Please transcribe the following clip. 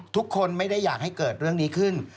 ทุกคนไม่ได้อยากให้เกิดเรื่องนี้ขึ้น